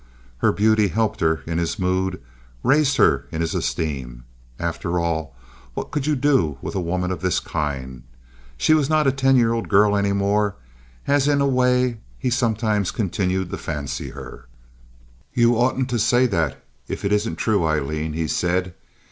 Her beauty helped her in his mood, raised her in his esteem. After all, what could you do with a woman of this kind? She was not a ten year old girl any more, as in a way he sometimes continued to fancy her. "Ye oughtn't to say that if it isn't true, Aileen," he said.